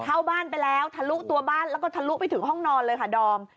เข้าบ้านไปแล้วทะลุตัวบ้านแล้วก็ทะลุไปถึงห้องนอนเลยค่ะดอม